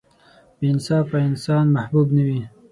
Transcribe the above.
• بې انصافه انسان محبوب نه وي.